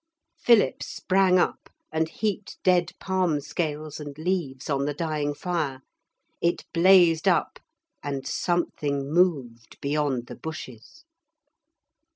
Philip sprang up and heaped dead palm scales and leaves on the dying fire. It blazed up and something moved beyond the bushes.